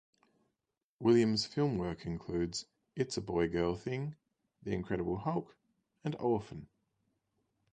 Williams' film work includes "It's a Boy Girl Thing", "The Incredible Hulk", and "Orphan"